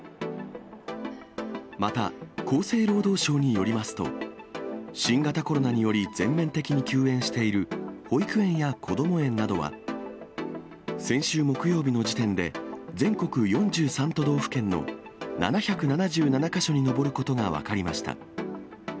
また、厚生労働省によりますと、新型コロナにより全面的に休園している保育園やこども園などは、先週木曜日の時点で、全国４３都道府県の７７７か所に上ることが分かりました。